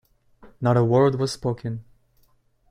Not a word was spoken.